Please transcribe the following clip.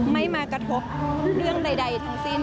ไม่มากระทบเรื่องใดทั้งสิ้น